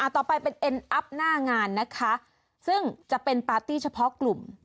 ต่อไปเป็นเอ็นอัพหน้างานนะคะซึ่งจะเป็นปาร์ตี้เฉพาะกลุ่ม